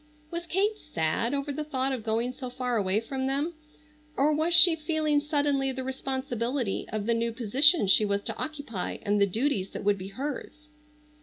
Was Kate sad over the thought of going so far away from them, or was she feeling suddenly the responsibility of the new position she was to occupy and the duties that would be hers?